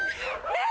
ねえ！